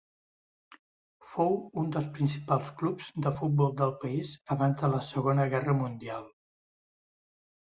Fou un dels principals clubs de futbol del país abans de la Segona Guerra Mundial.